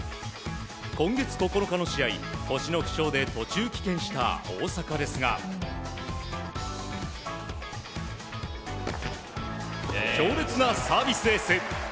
今月９日の試合腰の不調で途中棄権した大坂ですが強烈なサービスエース。